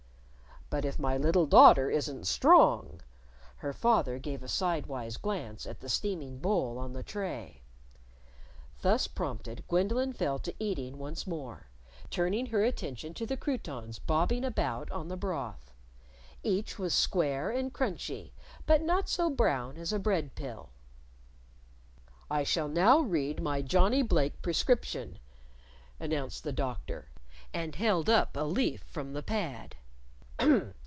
"But if my little daughter isn't strong " Her father gave a sidewise glance at the steaming bowl on the tray. Thus prompted, Gwendolyn fell to eating once more, turning her attention to the croutons bobbing about on the broth Each was square and crunchy, but not so brown as a bread pill. "I shall now read my Johnnie Blake prescription," announced the Doctor, and held up a leaf from the pad.